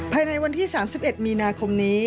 ภายในวันที่๓๑มีนาคมนี้